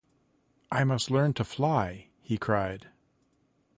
“I must learn to fly,” he cried.